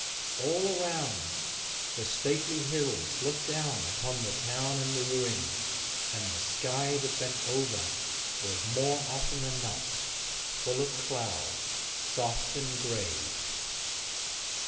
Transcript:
All around the stately hills looked down upon the town and the ruin, and the sky that bent over was more often than not full of cloud, soft and grey.